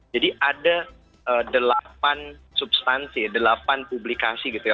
jadi ada delapan substansi delapan publikasi gitu ya